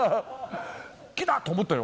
きた！と思ったよ。